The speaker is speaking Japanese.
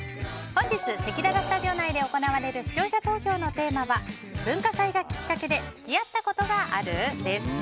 本日、せきららスタジオ内で行われる視聴者投票のテーマは文化祭がきっかけで付き合ったことがある？です。